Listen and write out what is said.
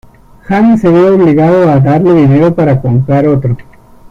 Hank se ve obligado a darle dinero para comprar otro.